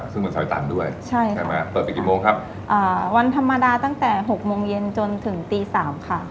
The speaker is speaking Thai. ซึ่งเป็นซอยตันด้วยใช่ค่ะใช่ไหมเปิดไปกี่โมงครับอ่าวันธรรมดาตั้งแต่หกโมงเย็นจนถึงตีสามค่ะ